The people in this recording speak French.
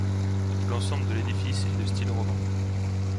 L'ensemble de l'édifice est de style roman.